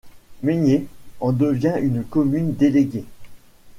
Meigné en devient une commune déléguée.